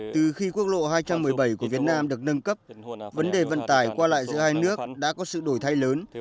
từ khi quốc lộ hai trăm một mươi bảy của việt nam được nâng cấp vấn đề vận tải qua lại giữa hai nước đã có sự đổi thay lớn